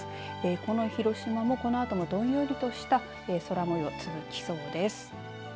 この広島もこのあともどんよりとした空もよう続きそうです。